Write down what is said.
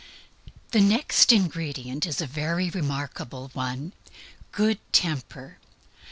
The next ingredient is a very remarkable one: _Good temper.